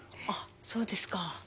あっそうですか。